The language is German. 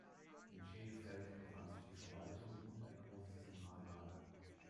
In Schenefeld befand sich die Verwaltung und ein großes Zentrallager.